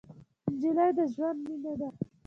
نجلۍ د ژوند مینه ده.